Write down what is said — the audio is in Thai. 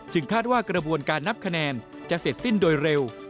คาดว่ากระบวนการนับคะแนนจะเสร็จสิ้นโดยเร็ว